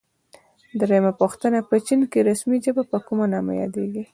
درېمه پوښتنه: په چین کې رسمي ژبه په کوم نامه یادیږي؟